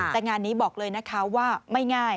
แต่งานนี้บอกเลยนะคะว่าไม่ง่าย